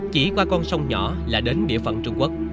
chỉ qua con sông nhỏ là đến địa phận trung quốc